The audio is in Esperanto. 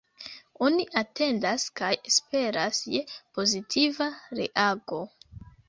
Oni atendas kaj esperas je pozitiva reago.